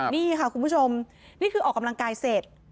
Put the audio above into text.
นี่ค่ะคุณผู้ชมนี่คือออกกำลังกายเสร็จ